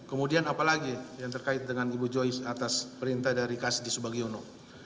kemudian apalagi yang terkait dengan ibu joy atas perintah dari kasdi subagiono